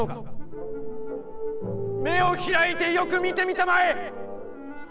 目を開いてよく見てみたまえ！